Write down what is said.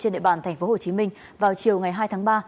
trên địa bàn tp hcm vào chiều ngày hai tháng ba